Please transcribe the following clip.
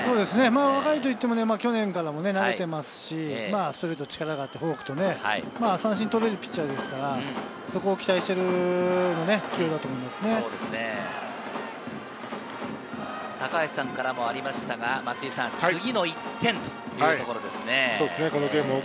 若いといっても去年から投げていますし、ストレートの力があって、フォークと三振を取れるピッチャーですから、そこを高橋さんからもありましたが、次の１点というところですね。